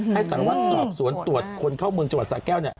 ให้สารวัยสอบสวนตรวจคนเข้าเมืองจวัดสระแค้ว